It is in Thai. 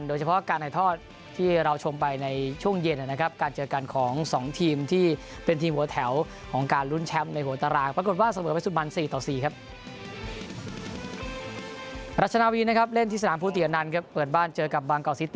โดยเฉพาะการไหดทอดที่เราชมไปในช่วงเย็นนะครับการเจอกันของสองทีมที่เป็นทีมวดแถว